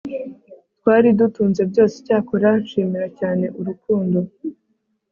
twari dutunze byose Icyakora nshimira cyane urukundo